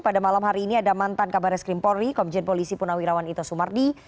pada malam hari ini ada mantan kabar reskrim polri komjen polisi punawirawan ito sumardi